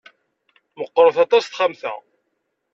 Meqqret aṭas texxamt-a.